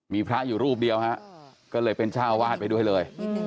มีพระอยู่รูปเดียวฮะก็เลยเป็นเจ้าวาดไปด้วยเลย